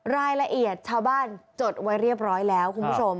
รายละเอียดชาวบ้านจดไว้เรียบร้อยแล้วคุณผู้ชม